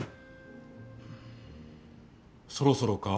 そろそろか？